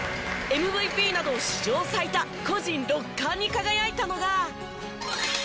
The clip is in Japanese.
ＭＶＰなど史上最多個人６冠に輝いたのが。